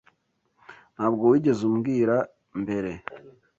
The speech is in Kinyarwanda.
Ntabwo wigeze umbwira mbere.